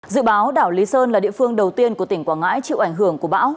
dự báo đảo lý sơn là địa phương đầu tiên của tỉnh quảng ngãi chịu ảnh hưởng của bão